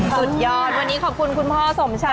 สุดยอดวันนี้ขอบคุณคุณพ่อสมชัย